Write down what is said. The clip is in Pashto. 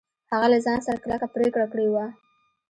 هغه له ځان سره کلکه پرېکړه کړې وه.